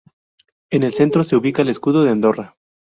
En el centro se ubica el escudo de Andorra.